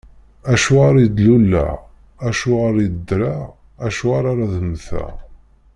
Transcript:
Acuɣeṛ i d-luleɣ, acuɣeṛ i ddreɣ, acuɣeṛ ara mteɣ?